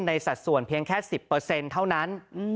สัดส่วนเพียงแค่๑๐เท่านั้น